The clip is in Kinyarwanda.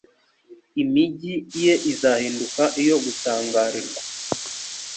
imigi ye izahinduka iyo gutangarirwa